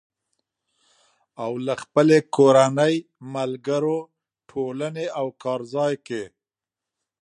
او له خپلې کورنۍ، ملګرو، ټولنې او کار ځای کې